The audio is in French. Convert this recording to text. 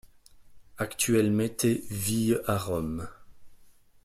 Actualmete vie à Rome.